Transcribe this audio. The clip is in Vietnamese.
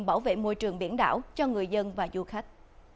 bảo vệ môi trường biển đảo cho người dân và du khách